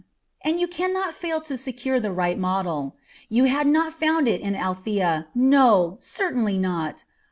And you can not fail to secure the right model. You had not found it in Althea, no, certainly not!